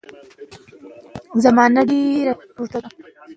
زمان خان په هرات کې دوه کاله واکمني وکړه.